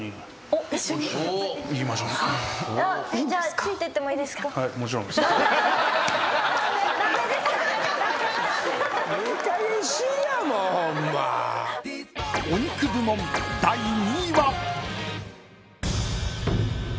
［お肉部門第２位は］